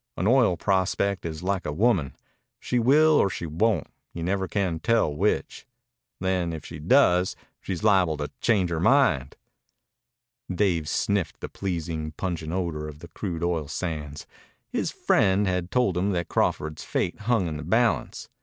An oil prospect is like a woman. She will or she won't, you never can tell which. Then, if she does, she's liable to change her mind." Dave sniffed the pleasing, pungent odor of the crude oil sands. His friend had told him that Crawford's fate hung in the balance.